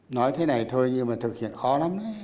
nói thế này thôi nhưng mà thực hiện khó lắm đấy